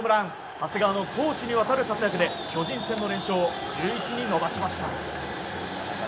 長谷川の攻守にわたる活躍で巨人戦の連勝を１１に伸ばしました。